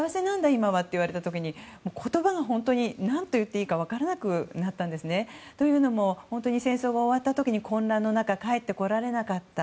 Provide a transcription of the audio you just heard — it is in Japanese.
今はと言われた時に言葉が本当に何て言ったらいいか分からなくなったんですね。というのも、本当に戦争が終わった時に混乱の中帰ってこられなかった。